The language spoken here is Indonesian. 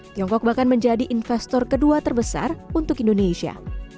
tiongkok bahkan menjadi investor kedua terbesar untuk indonesia